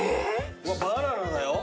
うわバナナだよ。